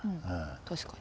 確かに。